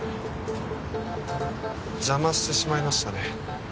邪魔してしまいましたね